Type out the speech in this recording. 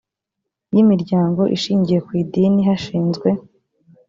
y imiryango ishingiye ku idini hashinzwe